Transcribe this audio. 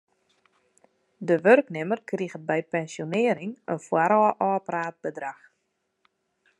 De wurknimmer kriget by pensjonearring in foarôf ôfpraat bedrach.